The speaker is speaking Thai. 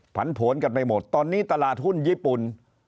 ผันผวนกันไปหมดตอนนี้ตลาดหุ้นญี่ปุ่น